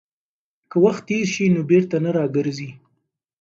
که وخت تېر شي نو بېرته نه راګرځي.